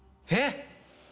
えっ！？